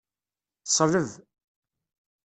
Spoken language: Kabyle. Ṣleb.